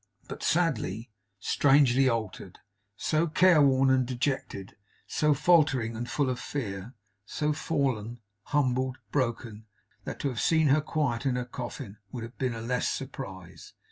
But sadly, strangely altered! So careworn and dejected, so faltering and full of fear; so fallen, humbled, broken; that to have seen her quiet in her coffin would have been a less surprise.